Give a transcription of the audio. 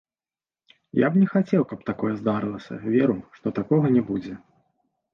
Я б не хацеў, каб такое здарылася, веру, што такога не будзе.